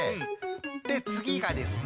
でつぎがですね。